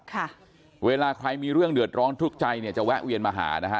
ค่ะเวลาใครมีเรื่องเดือดร้อนทุกข์ใจเนี่ยจะแวะเวียนมาหานะฮะ